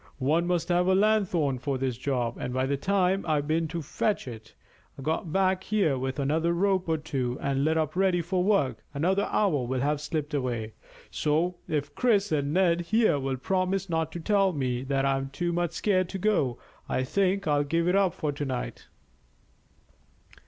"One must have a lanthorn for this job, and by the time I've been to fetch it, got back here with another rope or two, and lit up ready for work, another hour will have slipped away; so if Chris and Ned here will promise not to tell me that I'm too much scared to go, I think I'll give it up for to night."